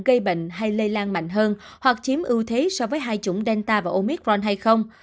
gây bệnh hay lây lan mạnh hơn hoặc chiếm ưu thế so với hai chủng delta và omicron hay không